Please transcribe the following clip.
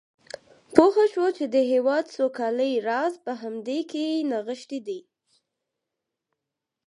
پوه شو چې د هېواد سوکالۍ راز په همدې کې نغښتی دی.